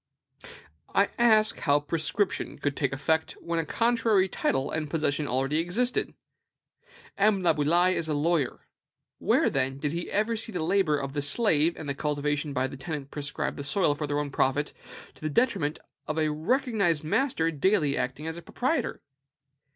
I ask how prescription could take effect where a contrary title and possession already existed? M. Laboulaye is a lawyer. Where, then, did he ever see the labor of the slave and the cultivation by the tenant prescribe the soil for their own profit, to the detriment of a recognized master daily acting as a proprietor?